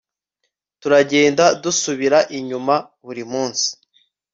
turagenda dusubira inyuma buri munsi